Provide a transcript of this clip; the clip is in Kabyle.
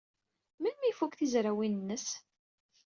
Melmi ay ifuk tizrawin-nnes?